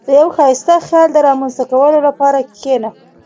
• د یو ښایسته خیال د رامنځته کولو لپاره کښېنه.